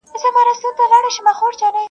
چي قاضي ته چا ورکړئ دا فرمان دی.